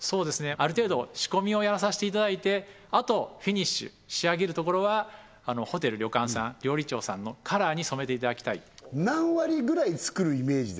ある程度仕込みをやらさせていただいてあとフィニッシュ仕上げるところはホテル旅館さん料理長さんのカラーに染めていただきたい何割ぐらい作るイメージですか？